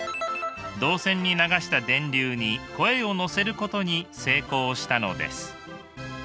銅線に流した電流に声をのせることに成功したのです。